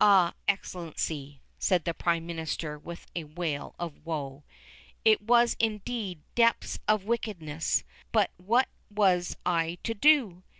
"Ah, Excellency," said the Prime Minister with a wail of woe, "it was indeed depths of wickedness, but what was I to do?